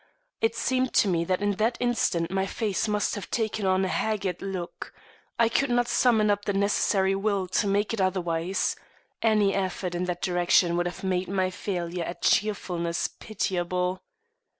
It seemed to me that in that instant my face must have taken on a haggard look. I could not summon up the necessary will to make it otherwise. Any effort in that direction would have made my failure at cheerfulness pitiable.